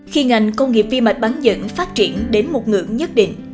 khi ngành công nghiệp vi mạch bán dẫn phát triển đến một ngưỡng nhất định